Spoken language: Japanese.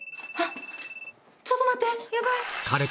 ちょっと待って！